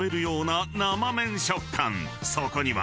［そこには］